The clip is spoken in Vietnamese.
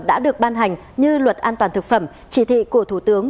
đã được ban hành như luật an toàn thực phẩm chỉ thị của thủ tướng